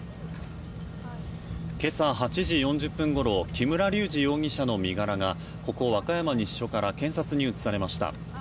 今朝８時４０分ごろ木村隆二容疑者の身柄がここ、和歌山西署から検察に移されました。